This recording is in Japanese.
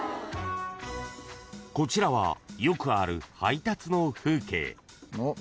［こちらはよくある配達の風景］